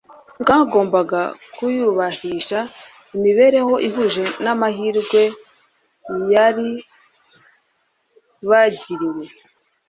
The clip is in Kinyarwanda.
Bwagombaga kuyubahisha imibereho ihuje n’amahirwe year bagiriwe.